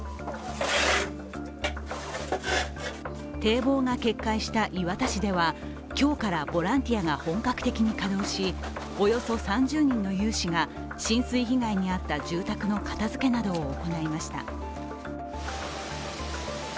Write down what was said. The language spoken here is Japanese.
堤防が決壊した磐田市では、今日からボランティアが本格的に稼働しおよそ３０人の有志が浸水被害に遭った住宅の片づけなどを行いました。